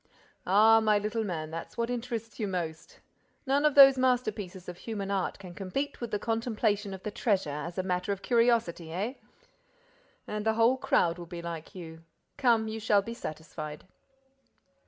"Ah, my little man, that's what interests you most! None of those masterpieces of human art can compete with the contemplation of the treasure as a matter of curiosity, eh?—And the whole crowd will be like you!—Come, you shall be satisfied."